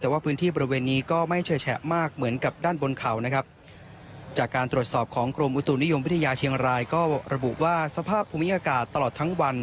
แต่ว่าพื้นที่บริเวณนี้ก็ไม่เฉยแฉะมากเหมือนกับด้านบนเขานะครับจากการตรวจสอบของกรมอุตุนิยมวิทยาเชียงรายก็ระบุว่าสภาพภูมิอากาศตลอดทั้งวัน